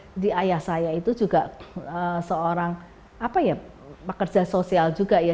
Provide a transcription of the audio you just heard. jadi ayah saya itu juga seorang pekerja sosial juga ya